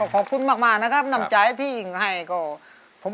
ขอบคุณมากครับ